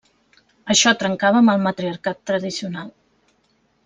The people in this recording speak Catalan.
Això trencava amb el matriarcat tradicional.